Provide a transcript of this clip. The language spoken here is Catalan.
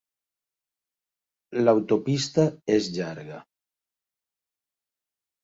L'autopista és llarga.